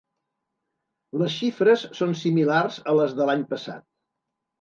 Les xifres són similars a les de l’any passat.